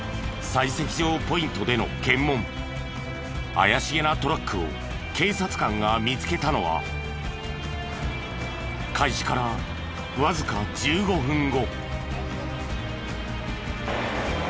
怪しげなトラックを警察官が見つけたのは開始からわずか１５分後。